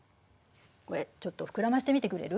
これちょっと膨らませてみてくれる？